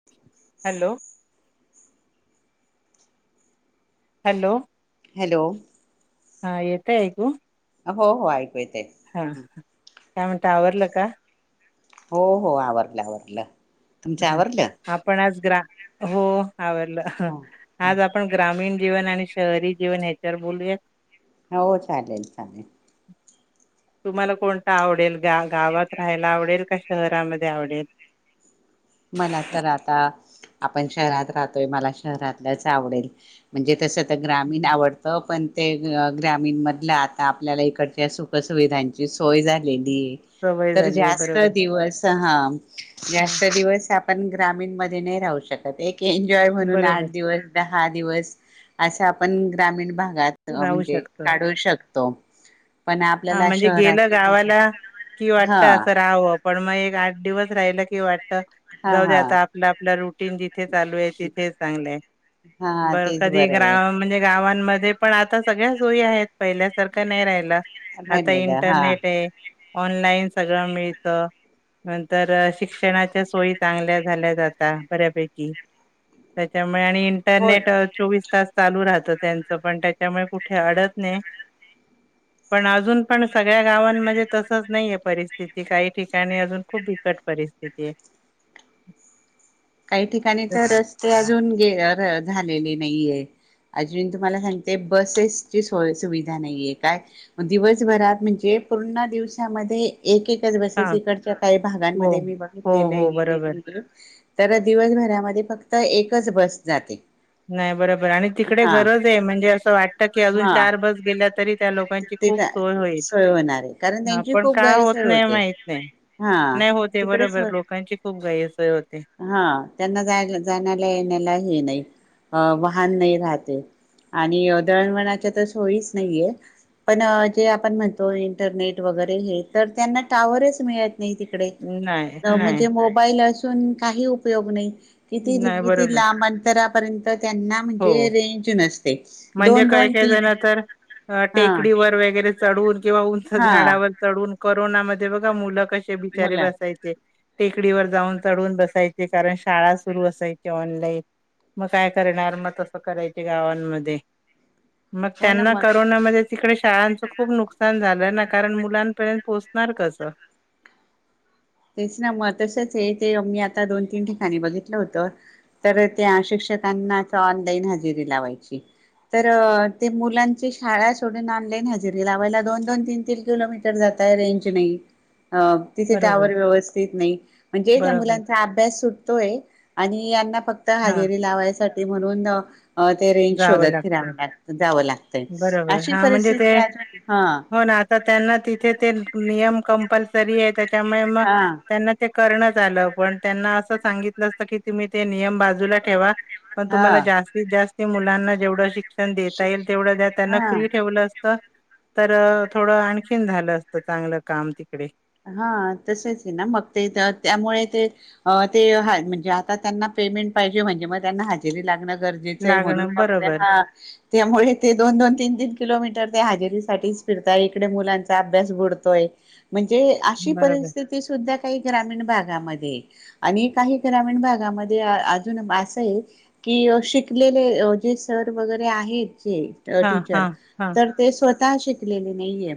[unintelligible] Hello hello hello हा येतय ऐकू हो, हो ऐकू येतय हा काय म्हणत आवरलं का हो, हो आवरलं, आवरलं तुमचं आवरलं आपण आज ग्रा हो आवरलं आज आपण ग्रामीण जीवन आणि शहरी जीवन ह्याच्यावर बोलूया हो चालेल, चालेल तुम्हाला कोणता आवडेल गा गावात राहायला आवडेल का शहरामध्ये आवडेल मला तर आता आपण शहरात राहतोय मला शहरातलंच आवडेल म्हणजे तसं तर ग्रामीण आवड तर पण ते ग्रामीणमधलं आता आपल्याला इकडच्या सुखसुविधांची सोय झालेली आहे सवय तर झालीय जास्त बरोबर दिवस तर हा हा जास्त दिवस आपण ग्रामीण मध्ये नाही राहू शकत एक एन्जॉय म्हणून आठ बरोबर दिवस, दहा दिवस असा आपण ग्रामीण भागात अ राहू म्हणजे शकतो काढू शकतो पण हा आपल्याला म्हणजे गेलं शहराची जी गावाला कि हा वाटत आता राहावं पण मग एक आठ दिवस राहिला कि वाटत हा जाऊ दे हा आता आपला आपला रुटीन जि चालू आहे तिथे चांगलंय हा बर तेच कधी बरं गा आहे म्हणजे गावांमध्ये पण आता सगळ्या सोयी आहेत पहिल्यासारखं नाही राहिला आता राहिलेलं हा इंटरनेट आहे ऑनलाईन सगळं मिळतं नंतर शिक्षणाच्या सोयी चांगल्या झाल्या जाता बऱ्यापैकी त्याच्यामुळे आणि त्या होय नेट चोवीस तास चालू राहतं त्यांचं पण त्याच्यामुळे कुठे अडत नाही पण अजून पण सगळ्या गावांमध्ये तसच नाही आहे परिस्थिती काही ठिकाणी अजून खूप बिकट परिस्थिती आहे काही ठिकाणी तर रस्ते अजून गे झालेले नाही आहेत अजून तुम्हाला सांगते बसेसची सोय, सुविधा नाहीय आहे काय दिवसभरात म्हणजे पूर्ण दिवसामध्ये एक एकच हा बसेस इकडच्या काही हो भागांमध्ये मी हो बघितलेले हो बरोबर. गेलेले आहे तर दिवसभरामध्ये फक्त एकच बस जाते नाही बरोबर आणि तिकडे हा गरज आहे म्हणजे असं वाटतं की अजून हा चार बस गेल्या तरी त्या लोकांची ते खूप सोय होईल सोय होणार आहे कारण हा त्यांची पण खूप का होत गैरसोय नाही होते माहित नाही हा नाही होते तिकडे बरोबर सोय लोकांची खूप गैरसोय होते हा त्यांना जाय जाण्याला येण्याला हे नाही अ वाहन नाही राहते आणि दळवळणाच्या तर सोयीच नाहीये पण जे आपण म्हणतो इंटरनेट वगैरे हे तर त्यांना टाॅवरच मिळत ना नाही तिकडे नाही, नाही, म्हणजे मो मोबाईल असून काही उपयोग नाही किती, नाही किती बरोबर. लांब अंतरापर्यंत त्यांना हो, म्हणजे रेंज नसते म्हणजे दोन, दोन, काही-काही तीन जण तर अ, हा टेकडीवर वगैरे चढून किंवा उंच हा झाडावर चढून कोरोनामध्ये बघा मुलं कसे बिचारे मुला बसायचे टेकडीवर जाऊन चढून बसायचे कारण शाळा सुरू असायची ऑनलाईन मग काय करणार मग तसं करायचे गावांमध्ये मग हो ना त्यांना कोरोनामध्ये तिकडे शाळांचं खूप नुकसान झालंय ना कारण मुलांपर्यंत पोहोचणार कसं? तेच ना मग तसंच आहे ते मी आता दोन, तीन ठिकाणी बघितलं होत. तर त्या शिक्षकांनाच ऑनलाईन हजेरी लावायची. तर ते मुलांची शाळा सोडून ऑनलाईन हजेरी लावायला दोन दोन तीन तीन किलोमीटर रेंज नाही तिथं बरोबर टॉवर व्यवस्थित नाही म्हणजे त्या बरोबर मुलाचा अभ्यास सुटतोय आणिना फक्त हां हजेरी लावायसाठी म्हणून ते रेंज जावं शोधत फिराव लागतं ला जावं लागतं. बरोबर अशी परिस्थिती आहे हा तर त्यांना तिथे ते नियम कंपल्सरी आहे त्याच्यामुळे मग हा त्यांना ते करणच आलं पण त्यांना असं सांगितलं असतं की तुम्ही ते नियम बाजूला ठेवा पण हा तुम्हाला जास्तीत जास्त मुलांना जेवढं शिक्षण देता येईल तेवढं त्यांना हा फ्री ठेव. असं तर थोडं आणखीन झालं असत चांगलं काम तिकडे हा तसंच आहे ना मग ते त्यामुळे ते ते म्हणजे आता त्यांना पेमेंट पाहिजे म्हणजे मग त्यांना हजेरी लागणं गरजेच गरजेच आहे म्हणून लागणं मग त्या बरोबर हा त्यामुळे ते दोन दोन तीन तीन किलोमीटर ते हाजेरी साठीच फिरतय इकडे मुलांचा अभ्यास बुडतोय. ते अशी बरोबर परिस्थिती सुद्धा काही ग्रामीण भागामध्ये. आणि काही ग्रामीण भागामध्ये अजून असं आहे. कि शिकलेले जे सर वगैरे आहेत जे हां, टीचर हां, हां. तर ते स्वतः शिकलेले नाहीये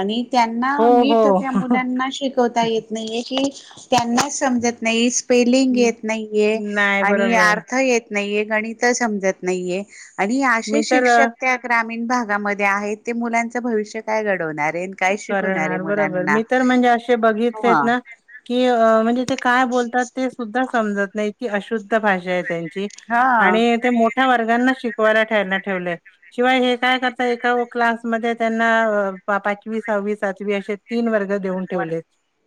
आणि त्यांना हो, नीट हो. मुलांना शिकवता येत नाहीे की त्यांना समजत नाही. स्पेलिंग येत नाहीये नाही आणि बरोबर. अर्थ येत नाहीये गणित समजत नाहीये. आणि असे मी तर अ, शिक्षक त्या ग्रामीण भागामध्ये आहेत ते मुलांच भविष्य काय घडवणार आहे. काय शिकवणारे आहे मुलांना बरं मी तर म्हणजे असे ह बघितलेत ना कि म्हणजे ते काय बोलतात ते सुद्धा समजत नाही अशुद्ध भाषा आहे त्यांची. हा आणि ते मोठ्या वर्गांना शिकवायलायला त्यांना ठेवलेय. शिवाय हे काय करत एका क्लासमध्येध्ये त्यांना पाठी पाचवी सहावी सातवी असे तीन वर्ग देऊन ठेवले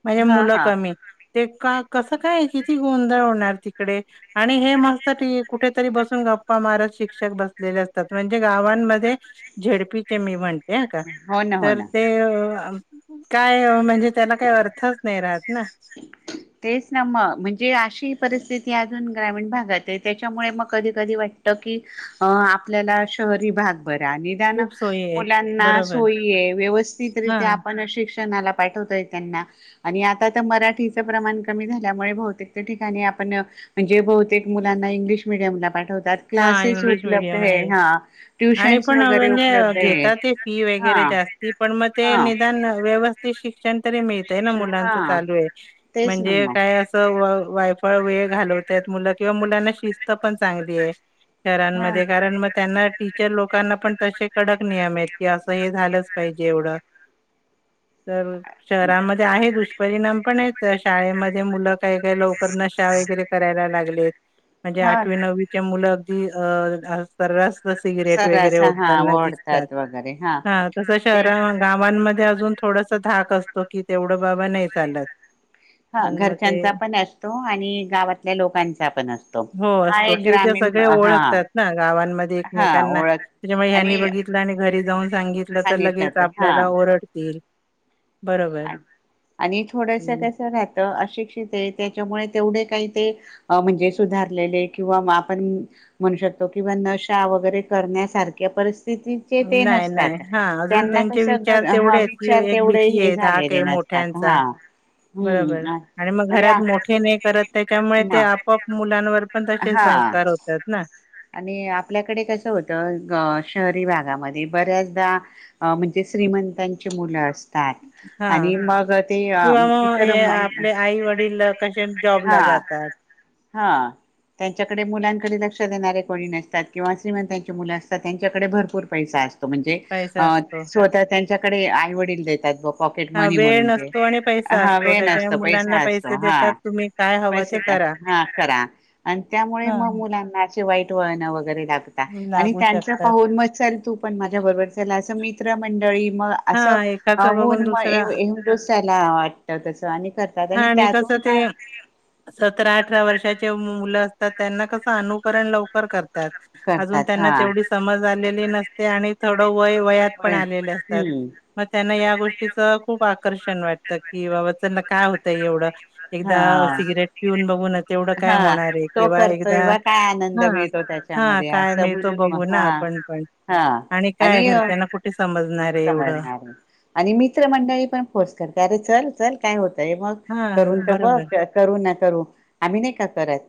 म्हणजे हा मुलं हा कमी ते का कसं काय किती गोंधळ होणार तिकडे आणि हे मस्ती कुठेतरी बसून गप्पा मारत शिक्षक बसलेले असतात म्हणजे गावांमध्ये झेडपीचे मी म्हणते का हो ना हो तर ना ते काय म्हणजे त्यांना काही अर्थच नाही राहत ना ह तेच ना मग म्हणजे अशी परिस्थिती अजून ग्रामीण भागात आहे त्याच्यामुळे मग कधी कधी वाटते की आपल्याला शहरी भाग बरा आणि खूप सोयी आहेत मुलाना बरोबर सोय व्यवस्थित रित्या हां आपण शिक्षणा पाठवतोय त्यांना आणि आता तर मराठीचं प्रमाण कमी झाल्यामुळे बहुतेक ठिकाणी आपण म्हणजे बहुतेक मुलांना इंग्लिश मिडियमला पाठवतात. हां क्लासेस इंग्लिश उपलब्ध मीडियम आहे हा आणि ट्युशन्स पण वगैरे म्हणजे उपलब्ध आहे घेतात ते फी हा. वगैरे जास्ती पण मग ते हा निदान व्यवस्थीत ते शिक्षण तरी मिळतय ना शिक्षण हा मुलांच चालू आहे तेच ना म्हणजे मग काय असं वायफळ वेळ घालवतात मुलं किंवा मुलांना शिस्त पण चांगली आहे. हा शहरानमध्ये कारण मग त्यांना त्या लोकांना पण तसे कडक नियम आहेत की असं हे झालंच पाहिजे एवढं. तर शहरामध्ये आहे दुष्परिणाम पण आहेत शाळेमध्ये मुलं काही का लवकर नशा वगैरे करायला लागले म्हणजे हा आठवी नववीची मुल ती अ परवाच सिगरेट सर्रास वगैरे हा ओढताना दिसतात ओढतात वगैरे हा तसं ते शहरात गावांमध्ये अजून थोडंसं धाक असतो कि तेवढं बाबा नाही चालत. हा पण मग ते घरच्यांचा पण असतो आणि गावातल्या लोकांचा पण असतो. हो हा असतो एक कि तिथे ग्रामीण सगळे हा ओळखतात ना गावांमध्ये हा एकमेकांना. ओळख त्याच्यामुळे ह्यांनी आणि बघितलं आणि घरी जाऊन सांगितलं तर लगेच आपल्याला ओरडतील. बरोबर आणि थोडंसं पण कसं राहतं अशिक्षित आहे त्याच्यामुळे तेवढे काही ते अ म्हणजे सुधारलेले किंवा आपण म्हणू शकतो कि नशा वगैरे करण्यासारख्या परिस्तिथी नाही नाही हा अजून त्यांचे कस विचार घर तेवढे हा आहेत की विचार एक तेवढे भीती हे आहे धाक झालेले ते नसतात मोठ्यांचा हा बरोबर हम्म आणि मग घरात मोठे नाही करत त्याच्यामुळे ते अपोआप मुलांवर पण तसे हा संस्कार होतात ना. आणि आपल्याकडे कसं होतं शहरी भागामध्ये बऱ्याचदा अ म्हणजे श्रीमंतांची मुलं असतात. हां आणि मग ते किंवा मग इतर हे आपले आई-वडील कसे जॉबला जातात हा त्यांच्याकडे मुलांकडे लक्ष देणारे. कोनी नसतात किंवा श्रीमंताची मुलं असतात त्यांच्याकडे भरपूर पैसा असतात. म्हणजे पैसा असतो स्वतः त्यांच्याकडे आई वडील देतात. पॉकेट हां मनी वेळ म्हणून नसतो आणि म्हणजे पैसा हा असतो वेळ त्याच्या नसतो मुलांना पैसा पैसे असतो हा. देतात तुम्ही काय हवं पैसे ते दया करा हा करा आणि त्यामुळे मग हां मुलांना वाईट वळण वगैरे लागतं आणि लागू त्यांच शकतात पाहुन मग चलतो पण माझ्या बरोबर चला असं मित्र मंडळी मग असं हां अ एकाचं बघून होऊन मग दुसरा हिरमूस त्याला वाटतं असं आणि करतात हां आणि कसं त्यातून काय ते सतरा अठरा वर्षाचे मुलं असतात त्यांना कसं अनुकरण लवकर करतात. अजून करतात त्यांना हा तेवढी समज आलेली नसते आणि थोड वय वयात पण होय आलेले असते. हम्म मग त्यांना या गोष्टीच खूप आकर्षण वाटतं की बाबा त्यांना काय होतंय एवढं एकदा हा सिगरेट पिऊन बघून तेवढं काय हा होणार आहे तो किंवा करतोय एकदा बा काय आनंद हा मिळतो हा त्याच्यामध्ये काय असं मिळतो म्हणून बघू मग ना हा आपण पण हा आणि काय घरच्यांना कुठे समजणार. आहे एवढं. समजणार आणि मित्र मंडळी पण फोर्स करते अरे चल चल काय होतय मग. हा करून तर बघ बरोबर करू ना करू आम्ही नाही का करत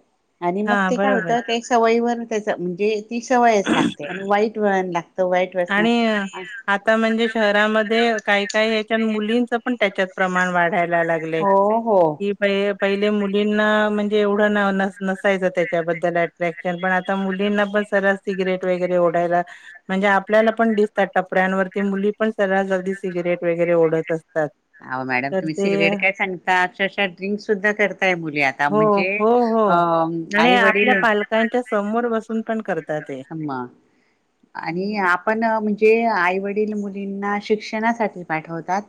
आणि मग हा ते काय होतं बरोबर. का सवयवर त्याच म्हणजे ती सवयच लागते आणि वाईट वेळान लागते. आणि आता म्हणजे शहरामध्ये काही काही ह्याच्या मुलींचं पण त्याच्यात प्रमाण वाढायला लागलं. क्ले हो हो किप [unintelligible] पहिले मुलींना म्हणजे एवढं न न नसायचं त्याच्याबद्दल अट्रॅक्ट पण आता मुलींना पण सर सिगरेट वगैरे ओढायला म्हणजे आपल्याला पण दिसतात टपऱ्यांवरती मुली पण सरळास अगदी सिगरेट वगैरे ओढत असतात. अहो मॅडम तर तुम्ही ते सिगरेट काय सांगता अक्षरशा ड्रिंक सुद्धा करताय मुली आता हो म्हणजे हो अ आई वडील त्यांच्या समोर बसून पण करत हमा आणि आ पण म्हणजे आईवडील मुलींना शिक्षणासाठी पाठवतात.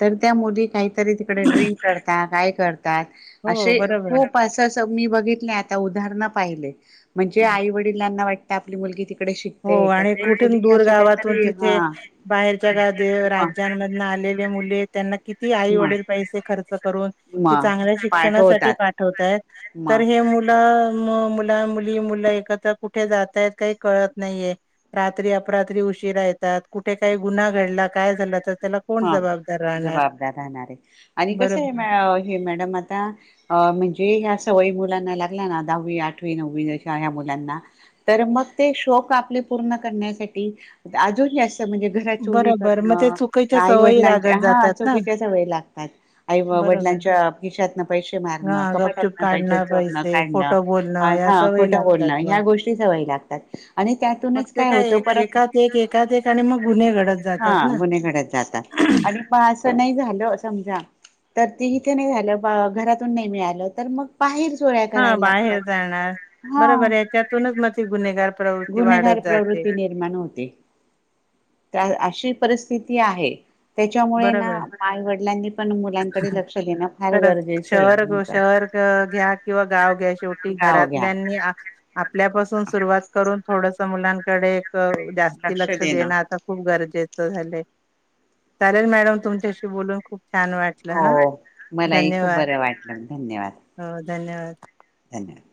तर त्या मुली काय तरी तिकडे ड्रिंक करतात काय करतात हो अशे बरोबर खूप पासास मी बघितलं आता उदाहरण पाहिले म्हणजे आहे. आई वडिलांना वाटत आपली मुलगी ती हो आणि कुठून दूर गावातून काहीतरी हा तिथे बाहेरच्या ग- मग राज्यांम नालेले मुले त्यांना किती आई वडील पैसे खर्च करून. मग मग चांगल्या शिक्षणासाठी पाठवतात पाठवतायत तर मग हे मुल म मु ल- मुली मुलं एकत्र कुठे जातायत काही कळत नाहीेये रात्री अपरात्री उशीरा येतात कुठे काय गुन्हा घडला काय झालं तर त्याला कोण हा जबाबदार राहणार जबाबदार राहणार ए आणि कस बरोबर आय म- हे मॅडम आता अ म्हणजे ह्या सवयी मुलांना लागल्या ना दहावी, आठवी, नववी अशा ह्या मुलांना. तर मग ते शौक आपले पूर्ण करण्यासाठी अजून जास्त म्हणजे घरात चोरी बरोबर करण. मग ते चुकीच्या आई सवयी वडिलांच्या लागत हा जातात ना चुकीच्या सवई लागतात आई बरोबर वडिलांच्या खिशातन पैसे हा मारणं गपचूप कपाटातन पैसे काढणं चोरणं पैसे काढणं खोटं बोलणं या हा सवयी खोटं लागतात बोलणं मग ह्या गोष्टी सवय लाग आणि मग त्यातूनच ते काय होत एक परत एकात एक एकात एक आणि मग गुन्हे घडत हा जातात ना गुन्हेघडत जातात. आणि पहा असं नाय झालं समजा. तर ते इथे नाही झालं घरातून नाही मिळालं तर मग बाहेर जोळ्या हा करायला लागतात. बाहेर जाणार हा बरोबर आय त्यातूनच म ती गुन्हेगार प्रवृत्ती वाढत जा प्रवृती निर्माण होते. अशी परिस्थिती आहे. त्याच्यामुळे ना बरोबर आईवडिलांनी पण मुलांकडे लक्ष देणं फार खरंच गरजेचं ए. शहर शहर घ्या किंवा गाव घ्या शेवटी घ्याव घ्या घरातल्यानी आपल्यापासून सुरुवात करून थोडस मुलांकडे एक जास्ती लक्ष देणं आता खूप गरजेचं झालंय. चालेल मॅडम तुमच्याशी बोलून खूप छान वाट हो मलाही खूप बरं वाटलं धन्यवाद. हो धन्यवाद. धन्यवाद.